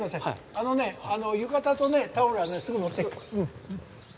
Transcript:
あのねあの浴衣とねタオルはねすぐ持っていくから。